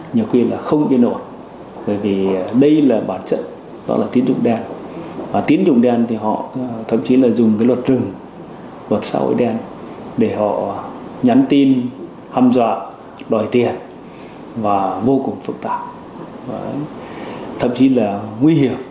nguy hiểm đến tính mạng